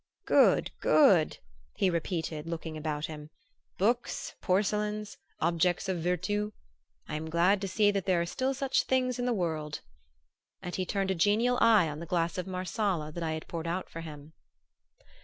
"Good! good!" he repeated, looking about him. "Books, porcelains, objects of virtù I am glad to see that there are still such things in the world!" And he turned a genial eye on the glass of Marsala that I had poured out for him.